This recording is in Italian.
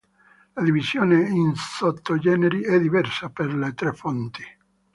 La divisione in sottogeneri è diversa per le tre fonti.